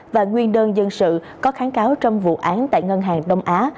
và nguyên đơn dân sự có kháng cáo trong vụ án tại ngân hàng đông á